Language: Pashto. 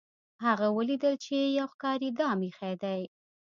هغه ولیدل چې یو ښکاري دام ایښی دی.